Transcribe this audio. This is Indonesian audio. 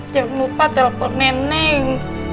jangan lupa telpon neneng